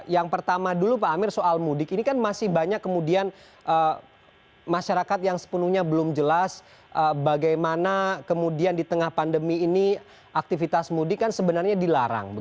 yang pertama dulu pak amir soal mudik ini kan masih banyak kemudian masyarakat yang sepenuhnya belum jelas bagaimana kemudian di tengah pandemi ini aktivitas mudik kan sebenarnya dilarang